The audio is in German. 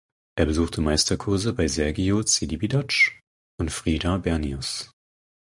Er besuchte Meisterkurse bei Sergiu Celibidache und Frieder Bernius.